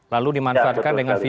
lalu dimanfaatkan dengan ya betul